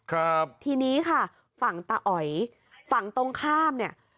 ครับทีนี้ค่ะฝั่งตาอ๋อยฝั่งตรงข้ามเนี่ย